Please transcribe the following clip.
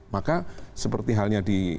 maka seperti halnya di